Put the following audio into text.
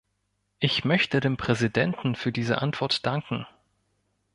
Ich möchte dem Präsidenten für diese Antwort danken.